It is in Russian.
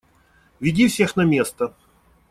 Веди всех на место.